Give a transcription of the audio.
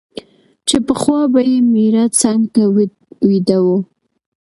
چي پخوا به یې مېړه څنګ ته ویده وو